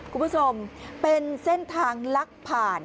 คุณผู้ชมเป็นเส้นทางลักผ่าน